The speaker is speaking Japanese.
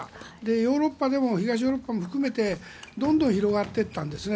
ヨーロッパでも東ヨーロッパも含めてどんどん広がっていったんですね。